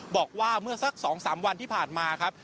บอกว่าเมื่อสัก๒๓วันที่ผ่านมาครับ